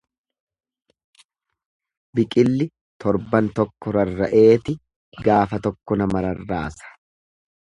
Biqilli torban tokko rarra'eeti gaafa tokko nama rarraasa.